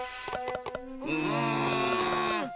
うん！